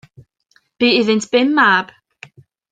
Bu iddynt pum mab.